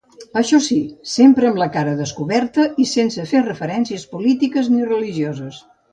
Això, sí, sempre amb la cara descoberta i sense fer referències polítiques ni religioses.